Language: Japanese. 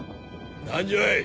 何じゃい？